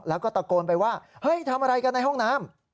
แล้วก็ตะโกนไปว่าเฮ้ยทำอะไรกันในห้องน้ำ